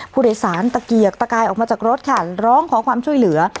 ผู้โดยสารตะเกียกตะกายออกมาจากรถค่ะร้องขอความช่วยเหลือ